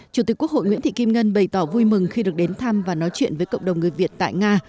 chủ tịch quốc hội nguyễn thị kim ngân bày tỏ vui mừng khi được đến thăm và nói chuyện với cộng đồng người việt tại nga